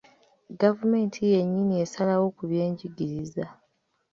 Gavumenti yennyini esalawo ku byenjigiriza .